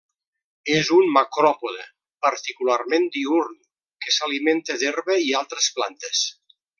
És un macròpode particularment diürn que s'alimenta d'herba i altres plantes.